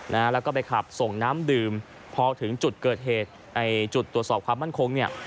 นะฮะแล้วก็ไปขับส่งน้ำดื่มพอถึงจุดเกิดเหตุไอ้จุดตรวจสอบความมั่นคงเนี่ย